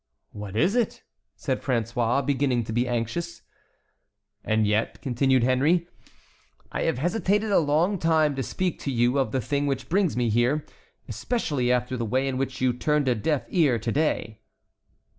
"What is it?" said François, beginning to be anxious. "And yet," continued Henry, "I have hesitated a long time to speak to you of the thing which brings me here, especially after the way in which you turned a deaf ear to day."